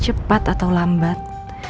cepat atau lambat